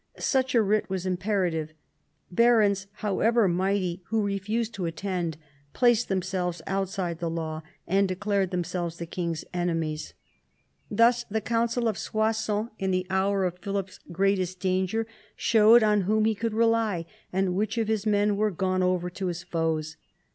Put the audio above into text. Such a writ was imperative. Barons, however mighty, who refused to attend, placed themselves outside the law and declared themselves the king's enemies. Thus the Council of Soissons in the hour of Philip's greatest danger showed on whom he could rely, and which of his men were gone over to his foes.